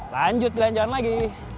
lanjut jalan jalan lagi